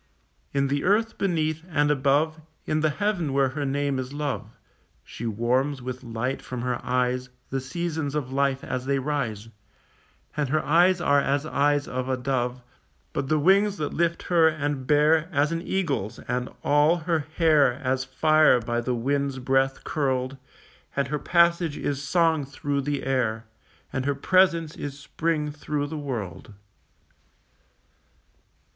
In the earth beneath, and above In the heaven where her name is love, She warms with light from her eyes The seasons of life as they rise, And her eyes are as eyes of a dove, But the wings that lift her and bear As an eagle's, and all her hair As fire by the wind's breath curled, And her passage is song through the air, And her presence is spring through the world.